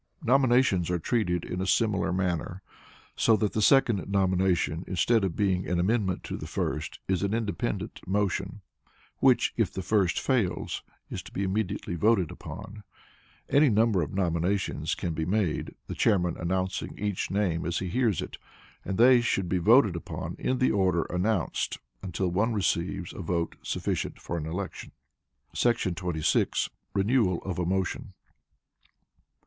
Nominations are treated in a similar manner, so that the second nomination, instead of being an amendment to the first, is an independent motion, which, if the first fails, is to be immediately voted upon. Any number of nominations can be made, the Chairman announcing each name as he hears it, and they should be voted upon in the order announced, until one receives a vote sufficient for an election. 26. Renewal of a Motion.